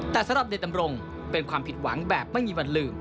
แต่สำหรับเด็กดำรงเป็นความผิดหวังแบบไม่มีวันลืม